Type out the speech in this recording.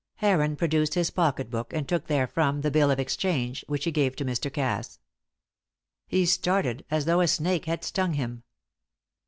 Heron produced his pocket book, and took therefrom the bill of exchange, which he gave to Mr. Cass. He started, as though a snake had stung him.